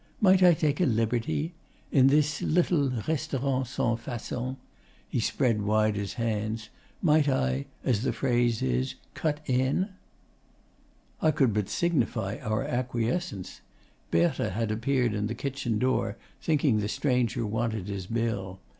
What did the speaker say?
Might I take a liberty? In this little restaurant sans facon' he spread wide his hands 'might I, as the phrase is, "cut in"?' I could but signify our acquiescence. Berthe had appeared at the kitchen door, thinking the stranger wanted his bill.